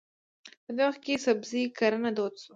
په دې وخت کې سبزي کرنه دود شوه.